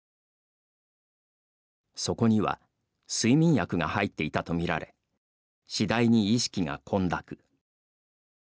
そこには、睡眠薬が入っていたと見られ、次第に意識が混濁。